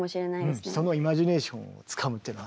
そのイマジネーションをつかむっていうのはね